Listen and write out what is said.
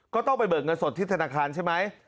ก็ต้องไปเบิกเงินสดที่ธนาคารใช่ไหม